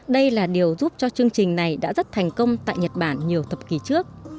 đây là điều giúp cho chương trình này đã rất thành công tại nhật bản nhiều thập kỷ trước